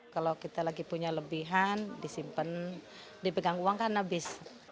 kalau kita lagi punya lebihan disimpan dipegang uang kan habis